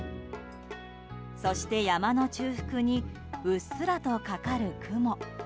そして山の中腹にうっすらとかかる雲。